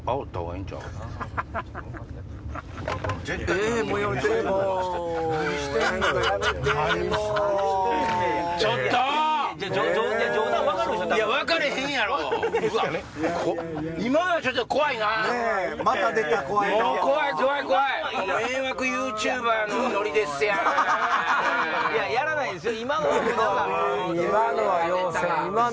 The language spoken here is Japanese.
いややらないですよ。